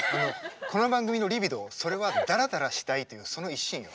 この番組のリビドーそれはダラダラしたいというその一心よ。